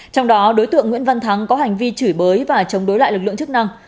trong đó đối tượng nguyễn văn thắng có hành vi chửi bới và chống đối lại lực lượng chức năng